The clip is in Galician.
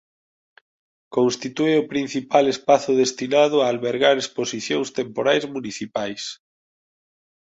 Constitúe o principal espazo destinado a albergar exposicións temporais municipais.